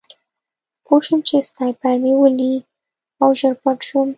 پوه شوم چې سنایپر مې ولي او ژر پټ شوم